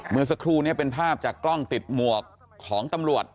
เมื่อสักครู่นี้เป็นภาพจากกล้องติดหมวกของตำรวจ